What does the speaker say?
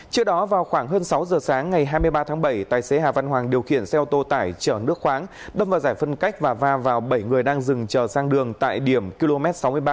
trước đó vào khoảng hơn sáu giờ sáng ngày hai mươi ba tháng bảy tài xế hà văn hoàng điều khiển xe ô tô tải chở nước khoáng đâm vào giải phân cách và va vào bảy người đang dừng chờ sang đường tại điểm km sáu mươi ba